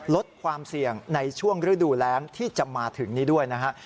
ลดความเสี่ยงในช่วงฤดูแรงที่จะมาถึงนี้ด้วยนะฮะ